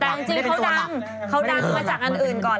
แต่จริงเขาดังเขาดังมาจากอันอื่นก่อน